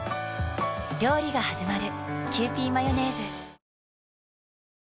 料理がはじまる。